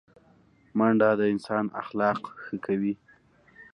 منډه د انسان اخلاق ښه کوي